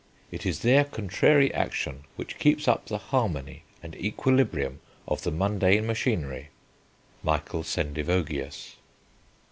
It is their contrary action which keeps up the harmony and equilibrium of the mundane machinery." (Michael Sendivogius.)